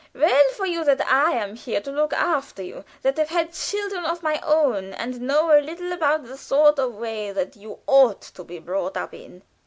Well for you that I'm here to look after you, that have had children of my own, and know a little about the sort of way that you ought to be brought up in."